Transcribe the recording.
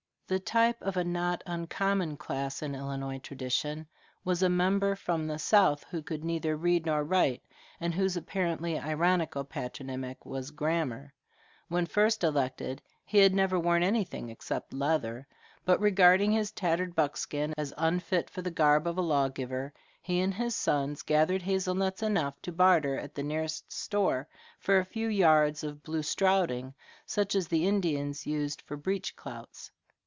The type of a not uncommon class in Illinois tradition was a member from the South who could neither read nor write, and whose apparently ironical patronymic was Grammar. When first elected he had never worn anything except leather; but regarding his tattered buckskin as unfit for the garb of a lawgiver, he and his sons gathered hazelnuts enough to barter at the nearest store for a few yards of blue strouding such as the Indians used for breech clouts.